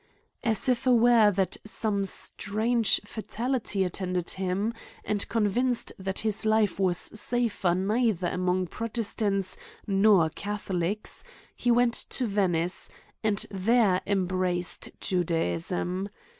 As if aware that same strange fatality attended him, and convinced that his life was safe neither among protestants nor catholics, he went to Ve nice, and there embraced Judaism.